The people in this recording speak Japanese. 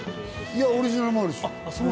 オリジナルもあるし。